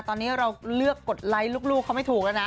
ตอนนี้เราเลือกกดไลค์ลูกเขาไม่ถูกแล้วนะ